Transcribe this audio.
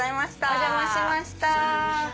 お邪魔しました。